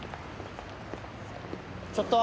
ちょっと！